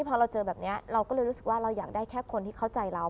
พอเราเจอแบบนี้เราก็เลยรู้สึกว่าเราอยากได้แค่คนที่เข้าใจเรา